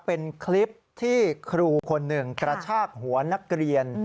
เป็นคลิปที่ครูคนหนึ่งกระชากหัวนักเรียน